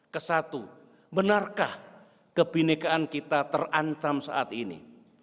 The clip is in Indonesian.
kesatu benarkah kebinekaan kita terancam saat ini